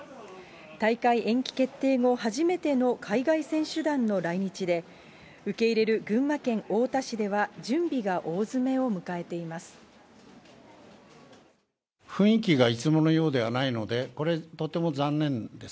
大会延期決定後、初めての海外選手団の来日で、受け入れる群馬県太田市では、準備が大詰めを迎えています。